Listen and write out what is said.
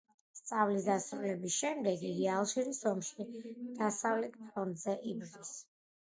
სწავლის დასრულების შემდეგ იგი ალჟირის ომში დასავლეთ ფრონტზე იბრძვის.